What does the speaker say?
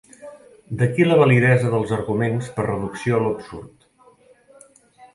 D'aquí la validesa dels arguments per reducció a l'absurd.